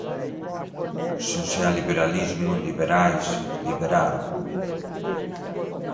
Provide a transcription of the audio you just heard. Social-liberalismo, liberais, liberal